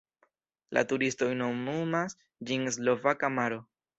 La turistoj nomumas ĝin Slovaka maro.